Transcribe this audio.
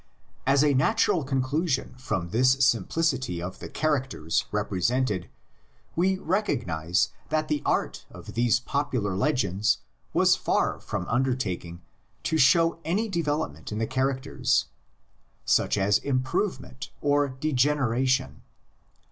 As a natural conclusion from this simplicity of the characters represented we recognise that the art of these popular legends was far from undertaking to show any development in the characters, such as improvement or degeneration.